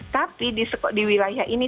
tapi di wilayah ini